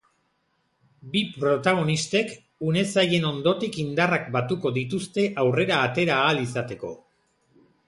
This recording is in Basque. Bi protagonistek une zailen ondotik indarrak batuko dituzte aurrera atera ahal izateko.